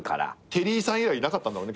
テリーさん以来いなかったんだろうね。